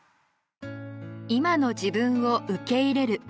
「今の自分を受け入れる」。